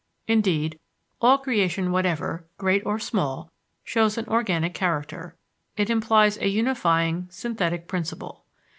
Indeed, all creation whatever, great or small, shows an organic character; it implies a unifying, synthetic principle.